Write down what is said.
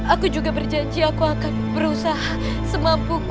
aku juga berjanji aku akan berusaha semampuku